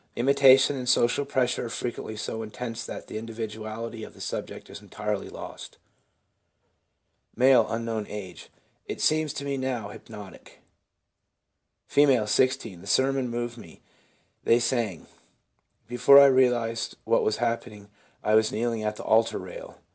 Imitation, and social pressure are frequently so intense that the individuality of the subject is entirely lost. M., —.' It seems to me now hypnotic/ F., 16. ' The sermon moved me; they sang. Before I realised what had happened, I was kneeling at the altar rail.